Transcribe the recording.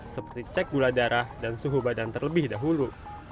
seperti cek gula darah dan suhu badan terlebih dahulu